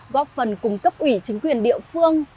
góp phần cung cấp ủy chính quyền địa phương